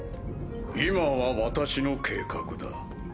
今は私の計画だ。